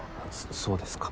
そうですか。